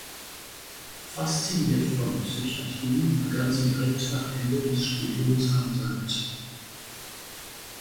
Fasziniert von Psychiatrien begann sie direkt nach Ende des Studiums am Skt.